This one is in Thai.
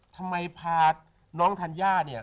ทำไมพาน้องธัญญาเนี่ย